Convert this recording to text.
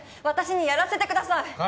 私にやらせてください！